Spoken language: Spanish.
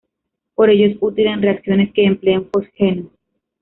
Por ello, es útil en reacciones que empleen fosgeno.